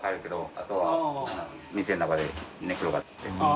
あとは店の中で寝っ転がってる。